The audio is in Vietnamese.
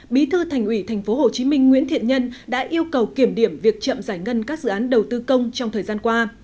bí thư thành ủy tp hcm nguyễn thiện nhân đã yêu cầu kiểm điểm việc chậm giải ngân các dự án đầu tư công trong thời gian qua